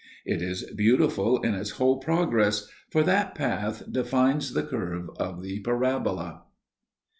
It is beautiful in its whole progress, for that path defines the curve of the parabola.